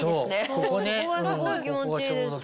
ここがすごい気持ちいいです。